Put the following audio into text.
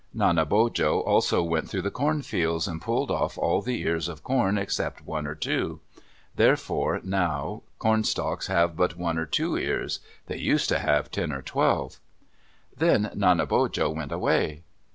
Nanebojo also went through the cornfields and pulled off all the ears of corn except one or two. Therefore now cornstalks have but one or two ears. They used to have ten or twelve. Then Nanebojo went away.